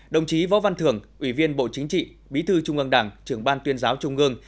đồng chí võ văn thưởng ủy viên bộ chính trị bí thư trung ương đảng trưởng ban tuyên giáo trung ương